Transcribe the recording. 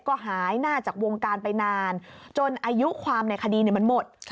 ก็หายหน้าจากวงการไปนานจนอายุความในคดีมันหมด